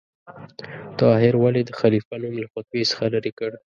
طاهر ولې د خلیفه نوم له خطبې څخه لرې کړ؟